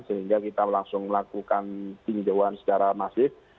sehingga kita langsung melakukan tinjauan secara masif